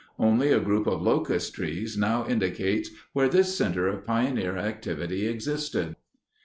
Only a group of locust trees now indicates where this center of pioneer activity existed.